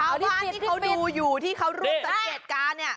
ข้าวบ้านที่เขาดูอยู่ที่เขารุ่นจัดการเนี่ย